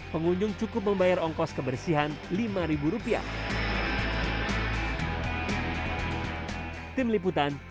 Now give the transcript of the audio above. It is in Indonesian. pengunjung cukup membayar ongkos kebersihan rp lima